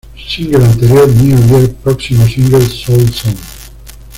Single anterior: New Year Próximo single: Soul Sound